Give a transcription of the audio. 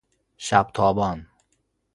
شبتابان